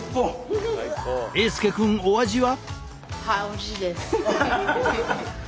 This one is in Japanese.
英佑くんお味は？